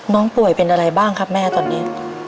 ป่วยเป็นอะไรบ้างครับแม่ตอนนี้